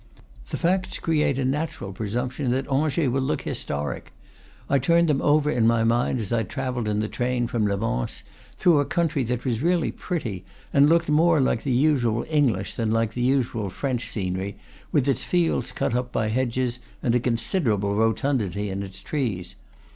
The facts create a natural presumption that Angers will look historic; I turned them over in my mind as I travelled in the train from Le Mans, through a country that was really pretty, and looked more like the usual English than like the usual French scenery, with its fields cut up by hedges and a considerable rotundity in its trees.